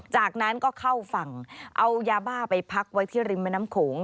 จากนั้นก็เข้าฝั่งเอายาบ้าไปพักไว้ที่ริมแม่น้ำโขง